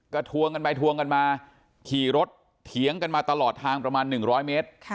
ก็ทวงกันไปทวงกันมาขี่รถเถียงกันมาตลอดทางประมาณ๑๐๐เมตร